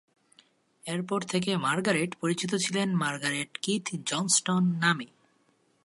এরপর থেকে মার্গারেট পরিচিত ছিলেন মার্গারেট কিথ জনস্টন নামে।